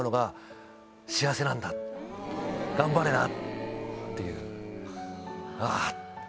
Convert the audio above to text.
「頑張れな」っていう。